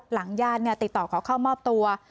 หลังญาติติดต่อก็เข้ามอบตัว